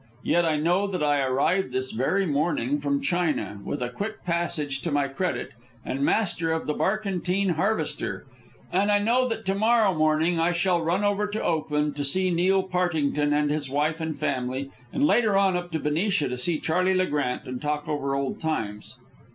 Yet I know that I arrived this very morning from China, with a quick passage to my credit, and master of the barkentine Harvester. And I know that to morrow morning I shall run over to Oakland to see Neil Partington and his wife and family, and later on up to Benicia to see Charley Le Grant and talk over old times.